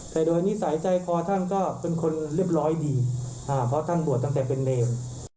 แต่โดยนิสัยใจคอท่านก็เป็นคนเรียบร้อยดีเพราะท่านบวชตั้งแต่เป็นเนร